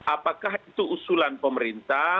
apakah itu usulan pemerintah